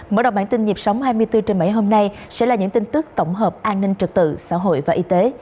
mở đầu bản tin nhịp sóng hai mươi bốn h bảy hôm nay sẽ là những tin tức tổng hợp an ninh trực tự xã hội và y tế